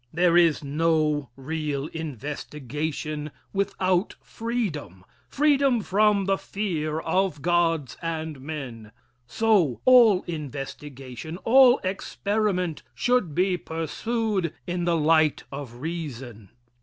There is no real investigation without freedom freedom from the fear of gods and men. So, all investigation all experiment should be pursued in the light of reason.